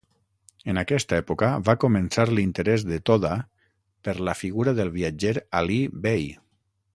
En aquesta època va començar l'interès de Toda per la figura del viatger Alí Bei.